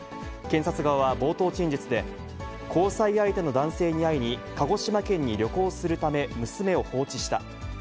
検察側は冒頭陳述で、交際相手の男性に会いに鹿児島県に旅行するため、娘を放置した。